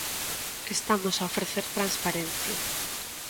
Estamos a ofrecer transparencia.